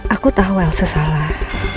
aku tau elsa salah